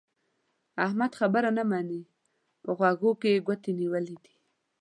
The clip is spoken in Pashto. احمد خبره نه مني؛ په غوږو کې يې ګوتې نيولې دي.